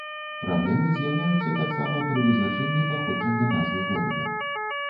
Праблемы з'яўляюцца таксама пры вызначэнні паходжання назвы горада.